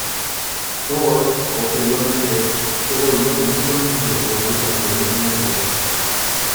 Thor, posteriormente, se volvió muy conocido por sus acciones en la Tierra.